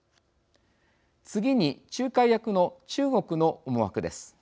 次に、仲介役の中国の思惑です。